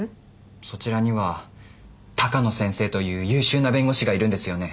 そちらには鷹野先生という優秀な弁護士がいるんですよね？